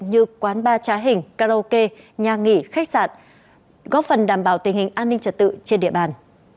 như quán ba trá hình karaoke nhà nghỉ khách sạn góp phần đảm bảo tình hình an ninh trật tự trên địa bàn